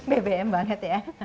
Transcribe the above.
bbm banget ya